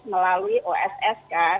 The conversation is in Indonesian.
kalau melalui oss kan